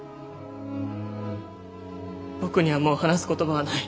僕にはもう話す言葉はない。